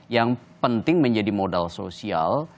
yang penting menjadi modal sosial